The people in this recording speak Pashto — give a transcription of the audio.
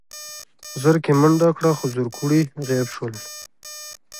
زرکې منډه کړه خو زرکوړي غيب شول.